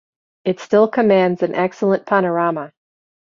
It still commands an excellent panorama.